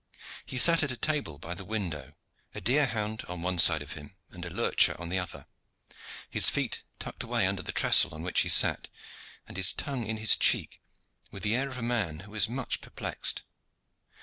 He sat at a table by the window, a deer hound on one side of him and a lurcher on the other, his feet tucked away under the trestle on which he sat, and his tongue in his cheek, with the air of a man who is much perplexed.